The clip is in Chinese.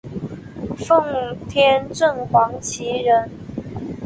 奉天正黄旗人。